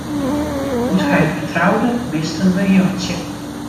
Doe't heit wer troude, misten we Jantsje.